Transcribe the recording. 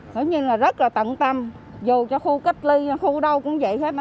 nói như là rất là tận tâm dù cho khu cách ly khu đâu cũng vậy hết á